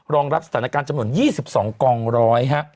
รองรับสถานการณ์จำนวน๒๒กองร้อยฮะ